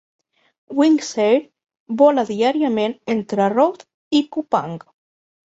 Wings Air vola diàriament entre Rote i Kupang.